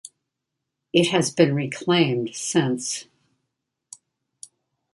It has been reclaimed since.